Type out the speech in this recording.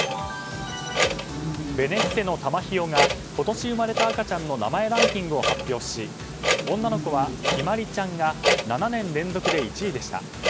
ベネッセの「たまひよ」が今年生まれた赤ちゃんの名前ランキングを発表し女の子は陽葵ちゃんが７年連続で１位でした。